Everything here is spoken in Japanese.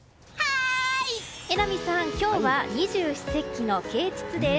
榎並さん、今日は二十四節気の啓蟄です。